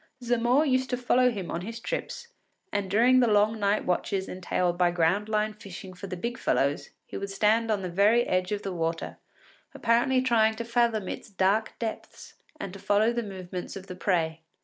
Zamore used to accompany him on his trips, and during the long night watches entailed by ground line fishing for the big fellows, he would stand on the very edge of the water, apparently trying to fathom its dark depths and to follow the movements of the prey.